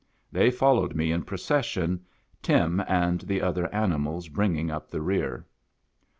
They followed me in procession, Tim and the other animals bringing up the rear.